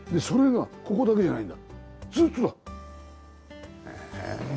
それがここだけじゃないんだずーっとだ。